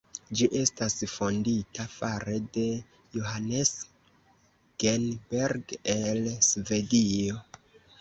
Ĝi estas fondita fare de Johannes Genberg el Svedio.